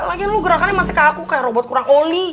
lagian lu gerakannya masih kaku kayak robot kurang oli